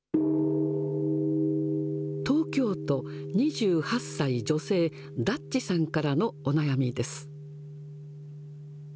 東京都、２８歳女性、だっちさんからのお悩みです。